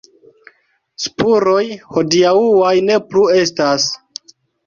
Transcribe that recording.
Spuroj hodiaŭaj ne plu estas.